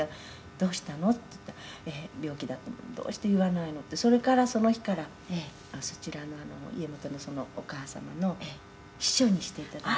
「“どうしたの？”って言ったら“病気だったもんで”“どうして言わないの”って」「それからその日からそちらの家元のそのお母様の秘書にして頂いて」